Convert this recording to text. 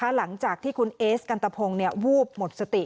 หลังจากที่คุณเอสกันตะพงวูบหมดสติ